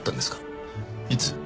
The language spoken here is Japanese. いつ？